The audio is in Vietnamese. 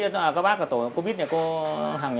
các bác ở tổ covid này cô hằng nhỉ